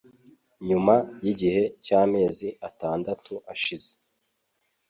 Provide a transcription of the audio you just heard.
Nyuma yigihe cyamezi atandatu ashize